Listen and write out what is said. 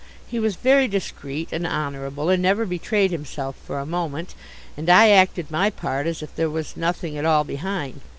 He was very discreet and honourable, and never betrayed himself for a moment, and I acted my part as if there was nothing at all behind.